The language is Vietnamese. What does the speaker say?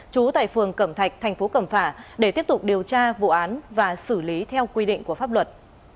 trú tại phường cẩm thạch thành phố cẩm phả để tiếp tục điều tra vụ án và xử lý theo quy định của pháp luật